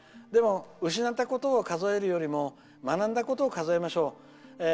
でも、失ったことを数えるよりも学んだことを数えましょう。